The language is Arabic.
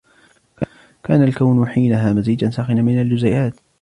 كان الكون حينها مزيجا ساخنا من الجزيئات